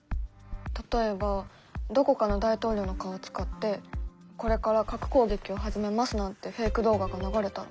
例えばどこかの大統領の顔を使って「これから核攻撃を始めます」なんてフェイク動画が流れたら。